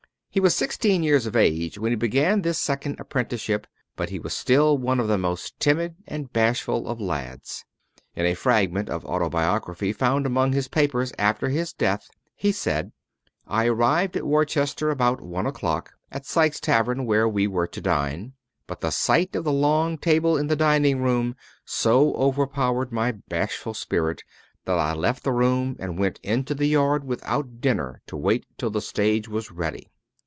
He was sixteen years of age when he began this second apprenticeship; but he was still one of the most timid and bashful of lads. In a fragment of autobiography found among his papers after his death he says: "I arrived at Worcester about one o'clock, at Syke's tavern where we were to dine; but the sight of the long table in the dining room so overpowered my bashful spirit that I left the room and went into the yard without dinner to wait till the stage was ready."